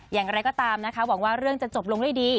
อย่างไรก็ตามนะคะหวังว่าเรื่องจะจบลงด้วยดี